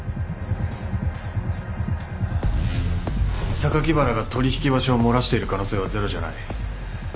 榊原が取引場所を漏らしている可能性はゼロじゃない。